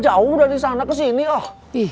jauh jangan dicoba